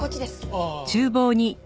ああ。